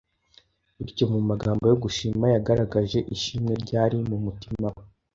bityo mu magambo yo gushima, yagaragaje ishimwe ryari mu mutima we.